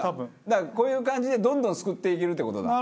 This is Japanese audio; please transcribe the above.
だからこういう感じでどんどんすくっていけるって事だ。